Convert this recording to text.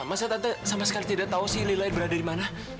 masa tante sama sekali tidak tahu si lila ini berada di mana